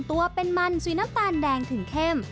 ตัวเป็นมันสีน้ำตาลแดงถึงเข้ม